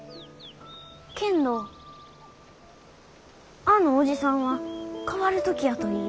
けんどあのおじさんは変わる時やと言いゆう。